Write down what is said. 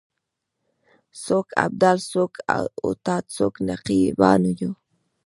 څوک ابدال یو څوک اوتاد څوک نقیبان یو